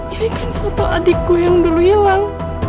ini kan foto adik gue yang dulu hilang